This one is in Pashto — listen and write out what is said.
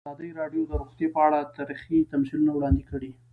ازادي راډیو د روغتیا په اړه تاریخي تمثیلونه وړاندې کړي.